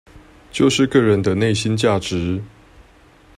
就是個人的內心價值